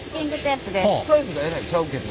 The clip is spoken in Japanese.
サイズがえらい違うけど。